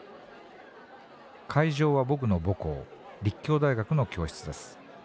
会場は僕の母校立教大学の教室です。